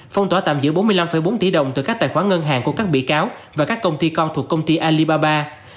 phong tỏa tạm giữ bốn mươi năm bốn tỷ đồng từ các tài khoản ngân hàng của các bị cáo và các công ty con thuộc công ty alibaba